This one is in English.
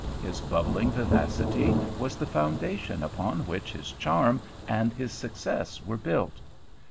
His bubbling vivacity was the foundation upon which his charm and his success were built.